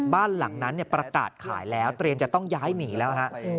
บ้านหลังนั้นประกาศขายแล้วเตรียมจะต้องย้ายหนีแล้วฮะ